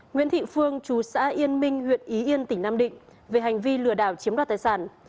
nguyễn thị phương chú xã yên minh huyện ý yên tỉnh nam định về hành vi lừa đảo chiếm đoạt tài sản